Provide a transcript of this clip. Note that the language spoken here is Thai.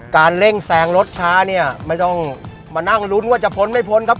เร่งแซงรถช้าเนี่ยไม่ต้องมานั่งลุ้นว่าจะพ้นไม่พ้นครับ